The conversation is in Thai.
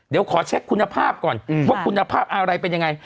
เดี๋ยวขอเช็คคุณภาพก่อนว่าคุณภาพอะไรเป็นยังไง